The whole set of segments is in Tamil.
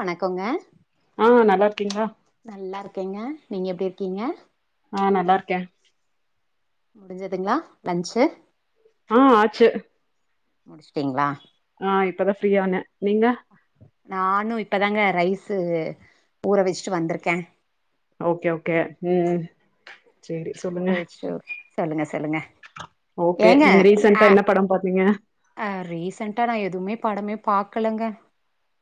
வணக்கோங்க ஆ நல்லா இருக்கீங்களா நல்லா இருக்கேங்க நீங்க எப்டி இருக்கீங்க ஆ நல்லா இருக்கே முடிஞ்சுதுங்களா லன்ச்சு ஆ ஆச்சு முடிச்சுட்டீங்ளா ஆ இப்பதா ஃப்ரீயானே நீங்க நானு இப்பதாங்க ரைஸு ஊற வச்சுட்டு வந்திருக்கே ஓகே ஓகே ம் சேரி ஊற சொல்லுங்க வச்ட்டு சொல்லுங்க சொல்லுங்க ஓகே நீங்க ரீசன்டா என்ன படம் பாத்தீங்க அஹ் ரீசன்டா நான் எதுமே படமே பாக்கலங்க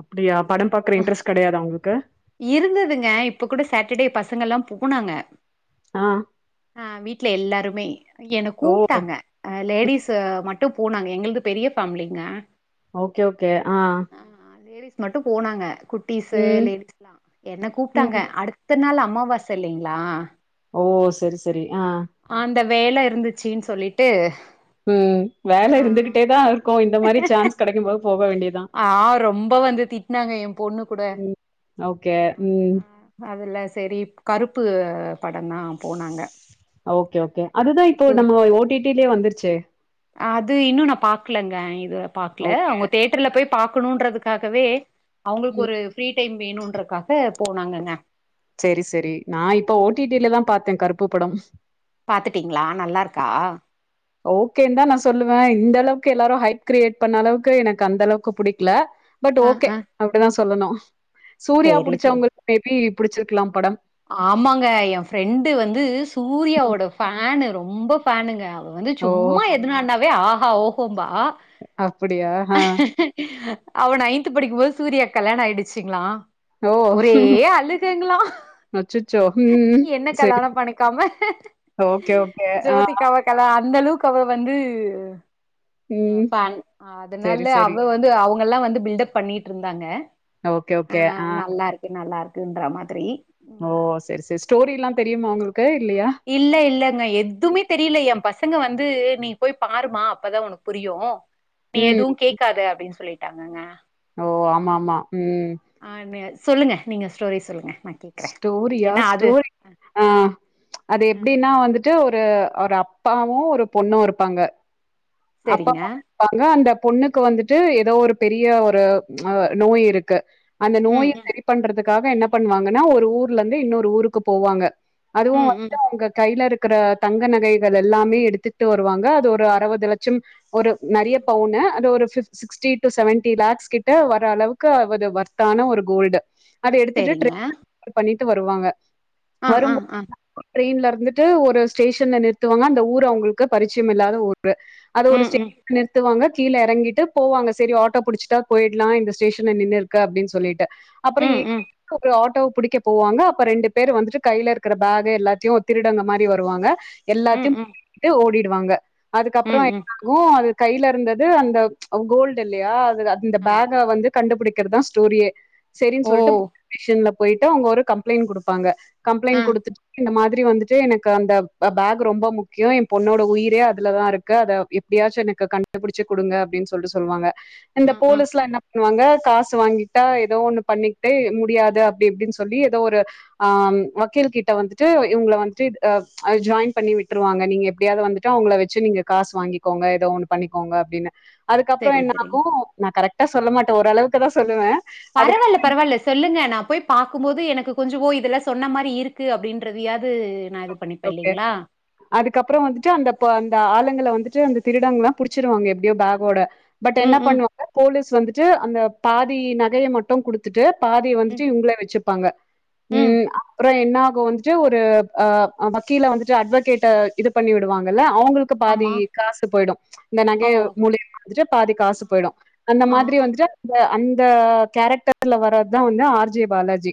அப்டியா படம் பாக்குற இன்ரஸ்ட் கெடையாதா உங்களுக் கு இருந்ததுங்க இப்ப கூட சாட்டர்டே பசங்கலாம் போனாங்க ஆ ஆஹ் வீட் ல எல்லாருமே என்ன ஓ கூப்ட்டாங்க அஹ் லேடிஸு மட் டு போனாங்க எங்களுது பெரிய ஃபேமிலிங்க ஓகே ஓகே ஆஹ் மட்டும் போனாங்க குட்டீஸு லேடி என்ன கூப்ட்டாங்க ம் அடுத்த நாள் அம்மாவாச இல்லைங்களா ஓ சரி சரி ஆஹ் அந்த வேல இருந்துச்சுன்னு சொல்லிட்டு உம் வேல ஆ இருந்துகிட்டே தான் இருக்கு இந்த மாரி சான்ஸ் கெடைக்கும்போது போக வேண்டி ஆஹ் ரொம்ப வந்து திட்னாங்க என் பொண்ணு கூட ம் ஓகே ம் அதுல சரி கருப்பு படந்தா போனாங்க ஓகே ஓகே அதுதான் இப்போ சூரி நம்ம ஓட்டி டிலயே வந்துருச்சே அது இன்னும் நான் பாக்கலங்க இது பாக்ல ஓகே அவுங்க தேட்டர்ல போய் பாக்கணும்ன்றதுக்காகவே ம் அவுங்களுக்கு ஒரு ஃப்ரீ டைம் வேணும்ன்றக்காக போனாங்கங்க சரி சரி நான் இப்ப ஓ டி டில தான் பாத்தேன் கருப் பு படம் பாத்துட்டீங்ளா நல்லாருக்கா ஓகே தான் நான் சொல்லுவேன் இந்த அளவுக்கு எல்லாரும் ஹைட் கிரியேட் பண்ண அளவுக்கு எனக்கு அந்த அளவுக்கு புடிக்கல பட் ஆ ஓகே ஆ அப்டிதான் சொல்லணும் சூர்யா சேரி சேரி புடிச்சவங்களுக்கு மேபி புடிச்சிருக்கலாம் படம் ஆமாங்க என் ஃப்ரெண்டு வந்து ம். சூர்யாவோட ஃபேனு ரொம்ப ஃபேனுங்க வந்து ஓ சும்மா எதுனானாவே ஆ ஓஹம்பா ஆ அப்டியா ஆ அவ நையன்த் படிக்கும்போது சூர்யா கல்யாணம் ஆயிடுச்சுங்களா ஓ ஒரே அழுகிகுங்களா அச்சச்சோ ம் என்ன செரி கல்யாணம் பண்ணிக்காம ஓகே ஓகே ஆ ஜோதிகாவ கல்யாண அந்த அளவுக்கு அவ வந்து ம் ஃபேன் செரி அதனால செரி அவ வந்து அவ எல்லா வந்து பில்டப் பண்ணிட்டு இருந்தாங்க ஓகே ஓகே ஆஹ இன்ற மாரி ஓ செரி செரி ஸ்டோரில்லா தெரியுமா உங்களுக் இல்ல இல்லங்க எதுவுமே தெரியல ஏன் பசங்க வந்து வந்து நீ போய் பாருமா அப்பதா உனக்கு புரியு நீ ம் எதுவும் கேட்காத அப்டின்னு சொல்லிட்டு டாங்குங்கா ஓ ஆமா ஆமா உம் ஆனு சொல்லுங்க நீங்கள் ஸ்டோரி சொல்லுங்க நா கேக்குறே ஸ்டோரியா ஏன்னா அது ஸ்டோரி ஆஹ் அது ஆ, எப்டின்னா வந்துட்டு ஒரு ஒரு ஒரு அப்பாவு ஒரு பொண்ணு இருப்பாங்க அப்பா சரிங்க பெண்ணு இருப்பாங்க அந்த பொண்ணுக்கு வந்துட்டு ஏதோ ஒரு பெரிய ஒரு அஹ் நோய் இருக்கு அந்த நோய ம் ம் செரி பண்றதுக்கு க்காக என்ன பண்ணுவாங்க ன்னா ஒரு ஊர்ல இருந்து இன்னொரு ஊருக்கு போவாங்க அதுவு ம் வந்து ம் அங்க கைய்ல இருக்கு இருக்கிற தங்க நகைகள் எல்லாமே எடுத்துட்டு வருவாங்க அது ஒரு அறுபது லட்சம் ஒரு நெறைய ம். பவுனு அது ஒரு சிக்ஸ்டி டு செவன்டி லேக்ஸ் கிட்ட வர அளவுக்கு அவது வர்தான ஒரு கோல்டு அத எடுத்துட்டு செரிங்க பண்ணிட்டு வருவாங்க ஆ ஆ ஆ ட்ரெயின்லருந்துட்டு ஒரு ஸ்டேஷன்ல நிறுத்துவாங்க அந்த ஊர் அவங்ளுக்கு பரிச்சய இல்லாத ஊர் க்கு அது ஒரு ம் ஸ்டே ம் [unintelligible] நிறுத்துவாங்க கீழே எறங்கிட்டு போவாங்க செரி ஆட்டோ புடிச்சட்டா போயிட்லா இந்த ஸ்டேஷன் நின்னுருக்கு அப்டின்னு சொல்லிட்டு அப்றம் எ ம் ம் [inaudible] ஒரு ஆட்டோ புடிக்க போவாங்க அப்ப ரெண்டு பேர் வந்துட்டு கைலருக்குற பேகு எல்லாத்தையு ஒரு திருடங்க மாரி வருவாங்க ம் எல்லாத்தையு ம் [unintelligible] ஓடி வாங்க அதுக்கப்புற ம் ம் என்னாகு அது கைலருந்தது அந்த கோல்டு இல்லையா அது இந்த ஆமா பேஹ வந்து கண்டுபிடிக் தா ஸ்டோரியே சரின் ஓ சொல்லிட்டு [unintelligible] ஷன்ல போயிட்டு அவங்க ஒரு கம்ப்ளைண்ட் குடுப்பாங்க ஆ கம்ப்ளைண்ட் குடுத்துட்டு இந்த மாரி மாதிரி வந்துட்டு எனக்கு அந்த பேஹூ ரொம்ப முக்கியம் என் பொண்ணோட உயிரே அதுலதா இருக்கு அத எப்டியாச்சு எனக்கு கண்டுபிடிச்சு குடுங்க அப்டின் சொல்ட்டு சொல்வாங்க ஆ இந்த ஆ போலீஸ்லா என்ன வாங்க காசு வாங்கிட்டா எதோ ஒண்ணு பண்ணிக்கிட்டே முடியாது அப்டி இப்டின் சொல்லி எதோ ஒரு ஆ வக்கீல் கிட்ட வந்துட்டு இவங்கள வந்துட்டு ஆ ஜாயின் பண்ணி விட்ருவாங்க நீங்க எப்டியாவது வந்துட்ட அவங்கள வச்சு நீங்க காசு வாங்கிக்கோங்க எதோ ஒண்ணு பண்ணிக்கோங்க அப்டின்னு அதுக்கப்ற சரி என்ன சரி ஆகு நா கரெக்ட் டா சொல்ல மாட்ட ஒரளவுக்கு தா சொல்லுவே அதுக்கு பரவால்ல பரவால்ல சொல்லுங்க நா போய் பாக்கும்போது எனக்கு கொஞ்சமோ இதெலா சொன்ன மாரி இருக்கு அப்டின்றதயாவது அதுக்கப்ற வந்துட்டு அந்த அந்த ஆள வந்துட்டு அந்த திருடங்கலா புடிச்சிடுவாங்க எப்டியோ பேஹோட பட் என்ன ம் ம் பண்ணுவாங்க போலீஸ் வந்துட்டு அந்த பாதி நகைய மட்டூ குடுத்துட்டு பாதிய ம் வந்துட்டு இவங்கள வச்சு ப்பாங்க ம் அப்ற என்ன போ வந்துட்டு ஒரு ஆ வக்கீல வந்துட்டு அட்வகேட்ட இது பண்ணி விடுவாங்கல அவங்ளுக்கு பாதி ஆமா காசு போயிடு இந்த நகை ஓ மூலிய வந்துட்டு பாதி காசு போயிடு அந்த ஆ மாதிரி ஆ வந்துட்டு அ அந்த இந்த கேரக்டர்ல வர்றதுதான் வந்து ஆர்ஜே பாலாஜி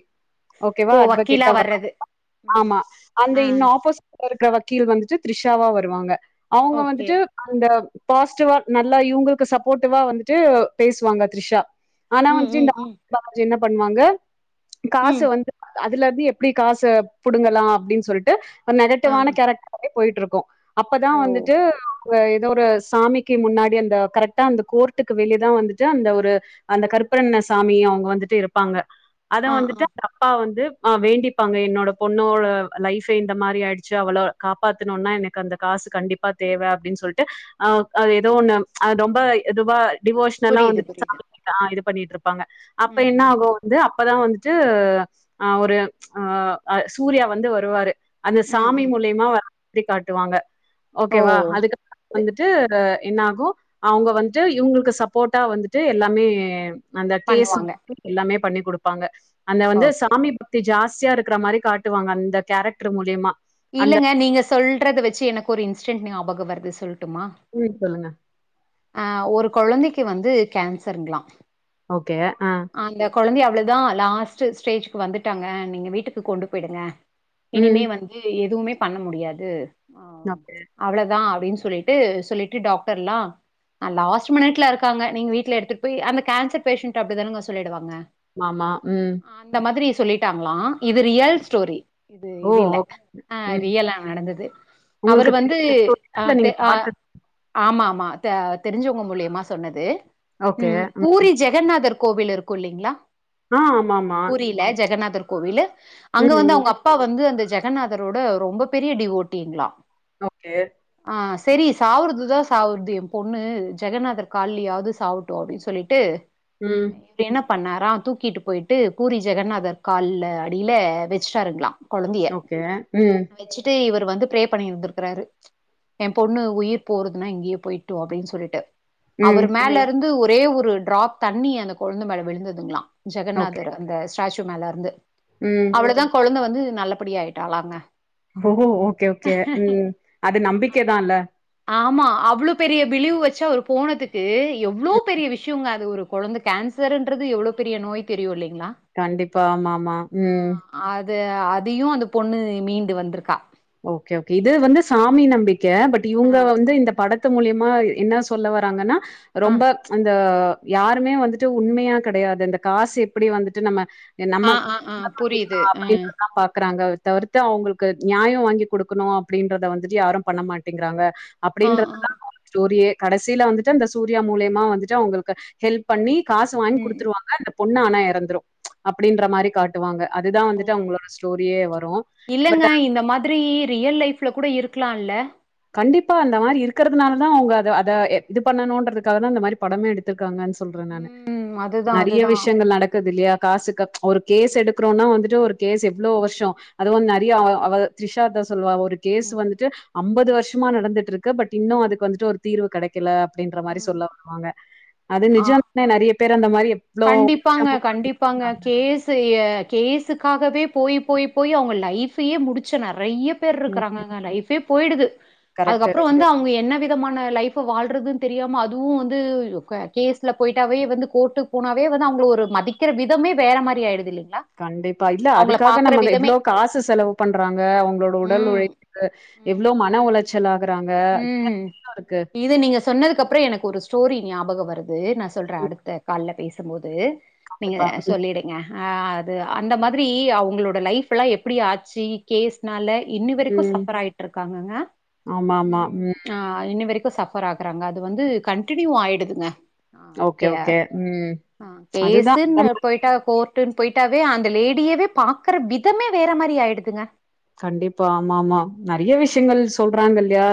ஓகேவா ஓ வக்கீலா அட்வகேட் ஆ வர வர்றது [unintelligible] ம் ஆமா ஆ இன்ன ஆப்போ இருக்கிற வக்கீல் வந்துட்டு த்ரிஷாவா வருவாங்க அவங்க ஓகே வந்துட்டு அந்த பாசிட்டிவா நல்லா இவங்களுக்கு சப்போர்ட்டிவா வந்துட்டு பேசுவாங்க த்ரிஷா ஆனா ம் ம் வந்துட்டு ஆர் ம் ஜெ பாலாஜி என்ன பண்ணுவாங்க காச ம் வந்து அதுல இருந்து எப்படி காச புடுங்கலாம் அப்படின்னு சொல்லிட்டு டு ஒரு ஆ நெகட்டிவான கேரக்டர் போயிட்டு இருக்கோம் அப்பதான் ஓ வந்துட்டு அவங்க ஏதோ ஒரு சாமிக்கு முன்னாடி அந்த கரெக்டா அந்த கோர்ட்டுக்கு வெளியேதான் வந்துட்டு அந்த ஒரு அந்த கருப்பரன்ன சாமிிய அவங்க வந்துட்டு இருப்பாங்க அத ஆ ஆ வந்துட்டு அந்த அப்பா வந்து ஆ் வேண்டிப்பாங்க என்னோட பொண்ணோட லைஃப் இந்த மாரி ஆயிடுச்சு அவள காப்பாத்தனும்னா எனக்கு அந்த காசு கண்டிப்பா தேவை அப்படின்னு சொல்ட்டு ஆ அது ஏதோ ஒண்ணு ஆ ரொம்ப இதுவா டிவோஷனலா புரியுது புரியுது வந்துட்டு [unintelligible] பண்ணிட் இருப் ப்பாங்க அப்ப ம் என்ன ம் ஆகும் வந்து அப் அப்பதான் வந்துட்டு ஆ ஒரு ஆ சூர்யா வந்து வருவாரு அந்த ம் சாமி ம் மூலியமா வ எப்படி காட்டுவாங்க ஓ ஓகேவா அதுக்கப்புறம் து வந்துட்டு என்ன ஆகும் அவங்க வந்துட்டு இவங்களுக்கு சப் போட்டா வந்துட்டு எல்லாமே அந்த கேசு பண்ணுவாங்க எல்லாமே பண்ணி கொடுப்பாங்க அந்த வந்து ஓகே சாமி பக்தி ஜாஸ் தியா இருக்கர மாரி காட்டுவாங்க அந்த கேரக்டர் மூலியமா அந்த இல்லங்க நீங்க சொல்றது வச்சு எனக்கு ஒரு இன்ஸ்டென்ட் ஞாபகம் வருது சொல்ட்டு ம் சொல்லுங்க அஹ் ஒரு கொழந்தைக்கு வந்து கேன்சருங்களா ஓகே ஆஹ் அந்த கொழந்தைய அவ்வளதான் லாஸ்ட் ஸ்டேஜ்க்கு வந்துட்டாங்க நீங்க வீட்டுக்கு கொண்டு போயிடுங்க ம். இனிமே வந்து எதுவுமே பண்ண முடியாது ஹ ஓகே. அவ்ளதா அப்படின்னு சொல்லிட்டு சொல்லிட்டு டாக்டர்லா லாஸ்ட் மினிட்ல இருக்காங்க நீங்க வீட்ல எடுத்துட்டு போய் அந்த கேன்சர் பேஷண்ட் அப்டித்தானங்க சொல்லிடுவாங்க ஆமா உம் அந்த மாதிரி சொல்லிட்டாங்களா இது ரியல் ஸ்டோரி இது ஓ! இது இல்ல ஓகே. ஆஹ் ம். ரியலா நடந்தது அவரு உங்களுக்கு வந்து தெரியாத இல்ல ஆஹ் நீங்க அஹ் பாத்தது. ஆமா ஆமா த தெரிஞ்சவங்க மூலயமா சொன்னது ஓகே. உம் ம். பூரி ஜெகநாதர் கோவில் இருக்கு இல்லைங்களா ஆ ஆமாமா. பூரியில ஜெகநாதர் கோவிலு அங்க ம். வந்து அவங்க அப்பா வந்து அந்த ஜெகநாதரோட ரொம்ப பெரிய டிவோட்டிங்ளா ஓகே ஆஹ சரி சாகுறதுதா சாகுது பொண்ணு ஜெகநாதர் கால்லயாவது சாகட்டு அப்படின்னு சொல்லிட்டு உம் இவரு என்ன பண்ணாரா தூக்கிட்டு போயிட்டு பூரி ஜெகநாதர் கால்ல அடியில வச்சுட்டாருங்களா ஓகே ம். வச்சிட்டு இவரு வந்து பிரே பண்ணிருந்திருக்கிறாரு எம் பொண்ணு உயிர் போறதுனா இங்கயே போயிர்ட்டோ அப்படின்னு சொல்லிட்டு அவர் ம். மேல இருந்து ஒரு ஒரே ஒரு டிராப் தண்ணி அந்த கொழந்தை மேல விழுந்ததுங்களா ஓகே. ஜெகநாதர் அந்த ஸ்டேச்சு மேல இருந்து ம். அவளதா கொழந்தை வந்து நல்லபடியா ஆயிட்டாளாங்க ஓஹ் ஓகே ஓகே உம் அது நம்பிக்கைதா இல்ல ஆமா அவ்வளோ பெரிய பிலிவு வச்சு அவரு போனதுக்கு எவ்வளோ பெரிய விஷயங்க ஒரு குழந்த கேன்சருன்றது எவ்வளோ பெரிய நோய் தெரியு இல்லை கண்டிப்பா ஆமாமா உம் அதையும் அந்த பொண்ணு மீன் வந்திருக்கா ஓகே ஓகே இது வந்து சாமி நம்பி கே பட் ஆ இவங்க வந்து இந்த படத்தை மூலியமா என்ன சொல்ல வராங்கன்னா ஆ ரொம்ப அந்த யாருமே வந்துட்டு உண்மையா கிடையாது இந்த காசு எப்படி வந்துட்டு நம்ம நம்ம ஆ ஆ ஆ புரியுது மாத்திக்கலாம் ஆ அப்படின்றதான் பாக்குறாங்க தவிர்த்து அவங்களுக்கு நியாயம் வாங்கி கொடுக்கணும் அப்படின்றத வந்துட்டு யாரும் பண்ண மாட்டேங்கிறாங்க ஆ அப்படின்றது ஆ தான் ஸ்டோரியே கடைசியில வந்துட்டு அந்த சூர்யா மூலியமா வந்துட்டு அவங்களுக்கு ஹெல்ப் பண்ணி காசு வாங்கி ம் ம் கொடுத்துருவாங்க பொண்ணு ஆனா இறந்துரும் அப்படின்ற மாதிரி காட்டுவாங்க அதுதான் வந்துட்டு அவங்களோட ஸ்டோரியே வரும். இல்லேங்க பட் இந்த மாதிரி ரியல் லைஃப்ல கூட இருக்குலால்ல கண்டிப்பாக அந்த மாரி இருக்கறதுனால தா அவங்க அத அத இது பண்ணணுன்றதுக்காக தா இந்த மாரி படமே எடுத்துருக்காங்கன் ஸ் சொல்றேன் நானு ம் அதுதா நறைய அதுதா. விஷயங்கள் நடக்குது இல்லையா காசு க ஒரு கேஸ் எடுக்குறோன்னா வந்துட்டு ஒரு கேஸ் எவ்ளோ வருஷோ அத வந்து நறையா [unintelligible] திரிஷா அதா சொல்லுவா ஒ ரு கேஸ் ம் வந்துட்டு அம்பது ம் வ ந்துட்ருக்கு பட் இன்னூ அதுக்கு வந்துட்டு ஒரு தீர்வு கடைக்கில ப்டின்ற மாரி ம். சொல்ல வருவாங்க அது ஆ நிஜோ தா நறையா பேர் அந்த மாரி இப் கண்டிப்பாங்க கண்டிப்பாங்க கேசு எ கேஸுக்காகவே போய் போய் போய் அவங்க லைஃப்பையே முடிச்ச நறைய ம். பேர்ருக்குறாங்கங்க லைஃப்பே போயிடுது கரெக்ட்டு. அதுக்கப்புறோ வந்து அவங்க என்னவே த்தமான லைஃப்பு வாழ்றதுன் தெரியாம அதுவு வந்து க கேஸ்ல போயிட்டாவே வந்து கோர்ட்டுக் போனாவே வந்து அவங்கள ஒரு மதிக்கிற விதமே வேற மாரி ஆயிடுது இல்லை கண்டிப்பா இல்ல அதுக்காக நம்ம எவ்ளோ காசு செலவு பண்றாங்க அவங்களோட உடல் ம் உழைப்புக்கு எவ்ளோ மன உளைச் ச்சலா உம் இது நீங்க சொன்னதுக்கு அப்புறம் எனக்கு ஒரு ஸ்டோரி ஞாபகம் வரு நா சொல்றே அடுத்த கால்ல பேசும்போது நீங்க கண்டிப்பா. ம். சொல்லிடுங்க அது அந்த மாதிரி அவங்களோட லைஃப்ல்லாம் எப்டி ஆச்சு கேஸ்னால இன்னி வரைக்கு ம். சஃபர் ஆயிட்டு இருக்காங்கங்க ஆமாமா. உம் ம். ஆஹ் இன்னி சஃபர் ஆகுறாங்க அது வந்து கண்டினியூ ஆயிடுதுங்க ஓகே, ஓகே. ம். ஆஹ் அதுதான் கேசுனு ரொம்ப- போயிட்டா கோர்ட்டு போயிட்டாவே அந்த லேடியவே பாக்குற விதமே வேற மாதிரி ஆயிடுதுங்க கண்டிப்பா ஆமா ஆமா நெறைய ஆ, விஷயங்கள் சொல்றாங்க இல்லயா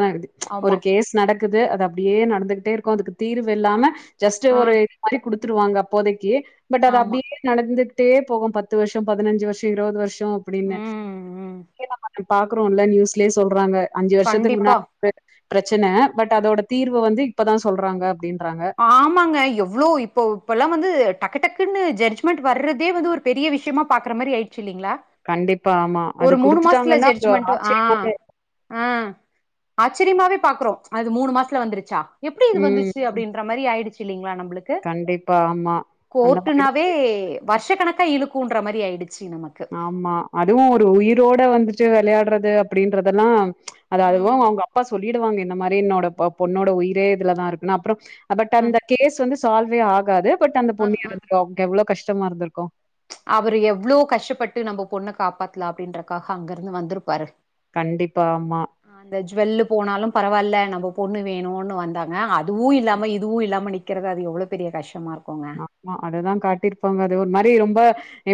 ஒரு ஆமா கேஸ் நடக்குது அது அப்டியே நடந்து இருக்கு அதுக்கு தீர்வு இல்லாம ஜஸ்ட் ஆ, ஒரு இதுமாரி குடுத்து த்துருவாங்க அப்போதைக்கு பட் அது ஆமா அப்டியே டே போகு பத்து வருசோ பதினஞ்சு வருசோ இருபது வருசோ ச்சம் அப்பிடின்னு ம் ம். நம்ம பாக்குறோம்லல்ல நியூஸ்லயே சொல்றாங்க அஞ்சு வருஷத்துக்கு கண்டிப்பா முன்னா பிரச்சன பட் அதோட தீர்வு வந்து இப்பதா சொல்றாங்க அப்டின்னு ஆமாங்க எவ்ளோ இப்போ இப்ப எல்லா வந்து டக்கு டக்குன்னு ஜட்மென்ட் வர்தே வந்து ஒரு பெரிய விஷயமா பாக்குற மாரி ஆயிடுச்சு இல்லிங்களா கண்டிப்பா ஆமா அது ஒரு மூணு மாசத்துல குடுத்துட்டாங்கன்னா அது ஜட்ஜ்மெண்ட் ஆ ஆச்சரியமாவே ஆச்சரியமாவே பாக்குறோ அது மூணு மாசத்துல வந்துருச்சா எப்டி இது ம் வந்துச்சு அப்டின்னு ஆயிடுச்சு இல்லிங்களா நம்ம உங்களுக்கு கண்டிப்பா ஆமா அந்த மாரி கோர்ட்டுனாவே வருஷ கணக்கா இழுக்குன்ற மாரி ஆயிடுச்சு நமக்கு. ஆமா அதுவு ஒரு உயிரோட வந்து வெளையாடுறது அப்டின்றதெல்லா அது அதுவு ம். அவங்க அப்பா சொல்லிடுவாங்க இந்த மாரி என்னோட பொ பொண்ணோட உயிரே இதுலதா இருக்குனு அப்றம் பட் அ, அந்த கேஸ் வந்து சால்வே ஆகாது பட் அந்த அ, பொண்ணு அ. எறந்துருவா அவருக்கு எவ்ள கஷ் டமா இருந்திருக்கு அவரு எவ்ளோ கஷ்டப்பட்டு நம்ம பொண்ண காப்பாத்தலா அப்டின்றக்காக அங்கருந்து வந்துருப்பாரு கண்டிப்பா ஆமா ஜ்வெல்லு போனாலு பரவால்ல நம்ம பொண்ணு வேணுனு வந்தாங்க அதுவு இல்லாம இதுவு இல்லாம நிக்கறது அது எவ்ளோ பெரிய கஷ்டமா இருக்கு ஆமா அதுதா காட்டிருப்பாங்க அது ஒரு மாரி ரொம்ப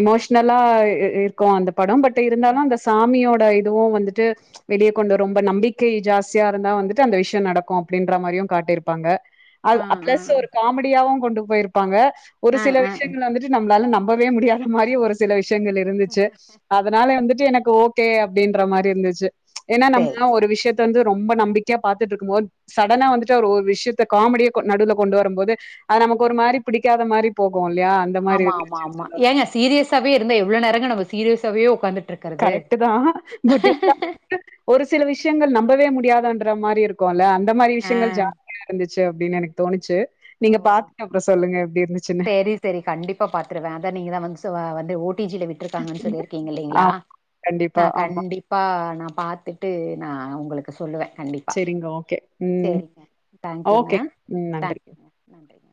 எமோஷனலா இ இருக்கு அந்த படம் பட் இருந்தாலு அந்த சாமியோ ட இதுவு வந்துட்டு வெளிய கொண்டு ரொம்ப நம்பிக்கை ஜாஸ்தியா இருந்தா வந்துட்டு அந்த விஷ்ய நடக்கு அப்டின்ற மாரியு காட்டிருப்பாங்க ஆ அ ஆ பிளஸ் ஒரு காமெடியாவு கொண்டு போயிருப் பாங்க ஒரு ஆ சில ஆ விஷ்யங்கள் வந்துட்டு நம்ளால நம் போவே முடியாத மாரி ஒரு சில விஷ் சிங்கள் இருந்துச்சு அதனாலே வந்துட் எனக்கு ஓகே அப்டின்ற மாரி இருந்துச்சு ஏன்னா சேரி நம்ளா சேரி ஒரு விஷ்யத்த வந்து ரொம்ப நம்பிக்யா பாத்துட்ருக்கும்போது சடனா வந்துட்டு ஒரு ஒரு விஷ்யத்த காமடிய கோ நடுவுல கொண்டு வரம்போது அத நமக் ஒரு மாரி யாத மாரி போ ஆமா ஆமா ஆமா ஏங்க சீரியஸாவே இருந்தா எவ்ளோ நேரங்க நம்ப சீர்யஸாவே ஓ கரெக்ட்டு தா பட்‌ [inaudible] ஒரு சில விஷ்யங்கள் நம்பவே முடி டியாதா ன்ற மாரி இருக்கோல அந் அந்த மாரி ஆ விஷ்யங்கள் ஜாஸ்தியா இருந்துச்சு அப்டின் எனக் தோணிச்சு சரி சரி கண்டிப்பா பாத்துருவேன் அத நீங்க தான் வந்து அ வந்து ஓட்டு பிஜில விட்டுருக்காங்கன்னு சொல்லிருக்கீங்க இல்லிங்களா ஆமா. கண்டிப்பா. நான் ஆமா. கண்டிப்பா நா பாத்துட்டு நான் உங்களுக்கு சொல்லுவேன் சரிங்க ஓகே உம் தேங்க்யூங்க ஓகே உம் நன்றி தேங்க்யூங்க நன்றிங்க